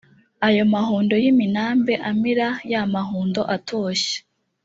ayo mahundo y’iminambe amira ya mahundo atoshye